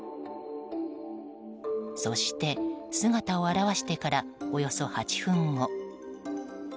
そして、姿を現してからおよそ８分後。